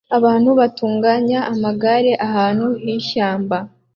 Abantu batunganya amagare ahantu h'ishyamba